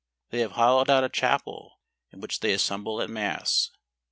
They have hollowed out a chapel, in which they assem¬ ble at mass.